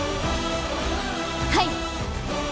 はい！